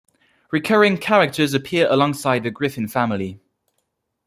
Recurring characters appear alongside the Griffin family.